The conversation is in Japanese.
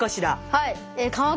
はい。